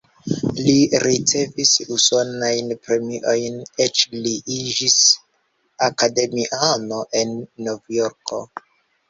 Li ricevis usonajn premiojn, eĉ li iĝis akademiano en Novjorko.